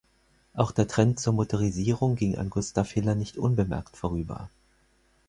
Auch der Trend zur Motorisierung ging an Gustav Hiller nicht unbemerkt vorüber.